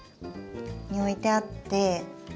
に置いてあって。